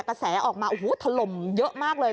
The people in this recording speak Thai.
กระแสออกมาโอ้โหถล่มเยอะมากเลย